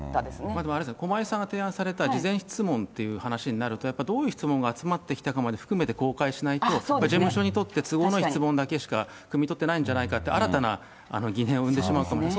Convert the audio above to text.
でもあれですよ、駒井さんが提案された事前質問っていう話になると、やっぱりどういう質問が集まってきたかまで含めて公開しないと、事務所にとって都合のいい質問だけしかくみ取ってないんじゃないかって、新たな疑念を生んでしまうかもしれない。